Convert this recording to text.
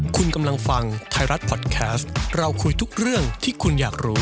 คุณกำลังฟังไทยรัฐพอดแคสต์เราคุยทุกเรื่องที่คุณอยากรู้